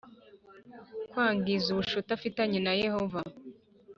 Kwangiza ubucuti afitanye na Yehova